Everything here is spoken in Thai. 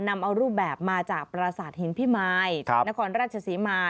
นำเอารูปแบบมาจากปราสาทหินพิมายนครราชศรีมา